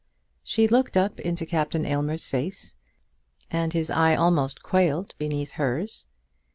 She looked up into Captain Aylmer's face, and his eye almost quailed beneath hers.